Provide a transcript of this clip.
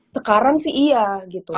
sekarang sih iya gitu